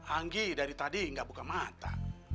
anggi dari tadi nggak buka mata